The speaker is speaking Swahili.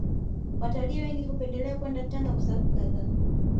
Watalii wengi hupendelea kwenda Tanga kwa sababu kadhaa